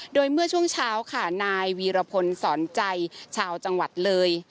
โดยเมื่อช่วงเช้าค่ะนายวีรพลสอนใจชาวจังหวัดเลย